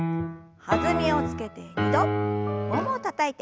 弾みをつけて２度ももをたたいて。